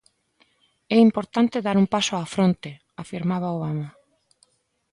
"É importante dar un paso á fronte" afirmaba Obama.